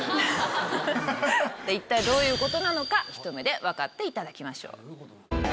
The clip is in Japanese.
一体どういうことなのかひと目でわかっていただきましょう！